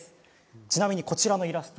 ちなみにこちらのイラスト